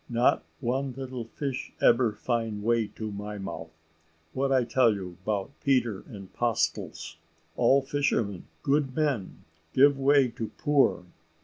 not one little fish ebber find way to my mouth. What I tell you 'bout Peter and 'postles all fishermen? good men; give 'way to poor.